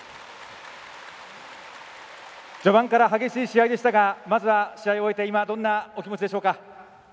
序盤から激しい試合でしたがまずは試合を終えて今、どんなお気持ちでしょうか？